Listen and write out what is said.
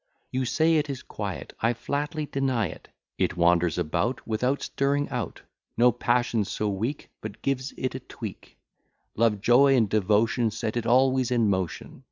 You say it is quiet: I flatly deny it. It wanders about, without stirring out; No passion so weak but gives it a tweak; Love, joy, and devotion, set it always in motion.